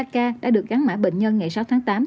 ba ca đã được gắn mã bệnh nhân ngày sáu tháng tám